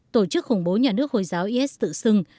tổ chức khủng bố nhà nước hồi giáo is tự xưng